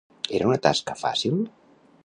Era una tasca fàcil?